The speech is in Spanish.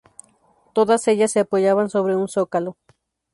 Todas ellas se apoyaban sobre un zócalo.